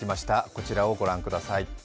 こちらをご覧ください。